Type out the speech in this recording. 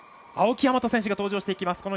青木大和選手が登場してきます。